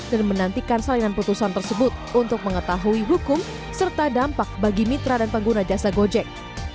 dan menantikan salinan putusan tersebut untuk mengetahui hukum serta dampak bagi mitra dan pengguna jasa gojek